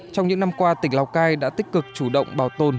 trong những năm qua tỉnh lào cai đã tích cực chủ động bảo tồn